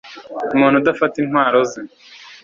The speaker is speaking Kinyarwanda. Umuntu udafata intwaro ze